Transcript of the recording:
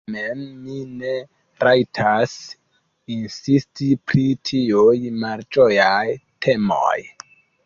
Tamen mi ne rajtas insisti pri tiuj malĝojaj temoj.